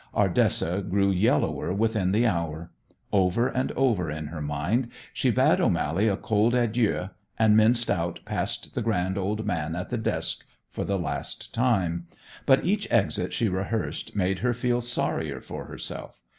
Ardessa grew yellower within the hour. Over and over in her mind she bade O'Mally a cold adieu and minced out past the grand old man at the desk for the last time. But each exit she rehearsed made her feel sorrier for herself.